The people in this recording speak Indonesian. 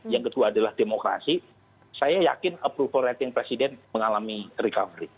yang kedua adalah demokrasi saya yakin approval rating presiden mengalami recovery